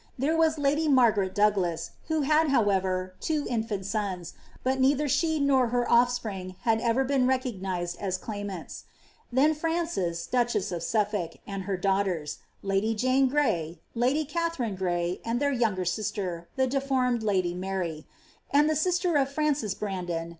There was lady Margaret Douglas, who had, however, two infant sons, but neither she nor her of&pring had ever been recognised as claimants. Then Frances, duchess of Suffolk, and her danghleit* lady Jane Gray, lady Katharine Gray, and their younger sister, the de formed lady Mary; and the sister of Frances Bramion, Elinor hdy ' Wife to Francis, earl of Shrewsbury.